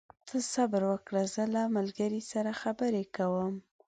ته صبر وکړه، زه له ملګري سره خبرې کوم.